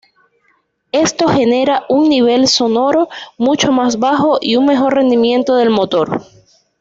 Esto genera un nivel sonoro mucho más bajo y un mejor rendimiento del motor.